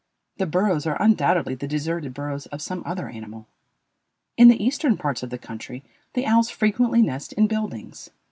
The burrows are undoubtedly the deserted burrows of some other animal. In the eastern parts of the country the owls frequently nest in buildings.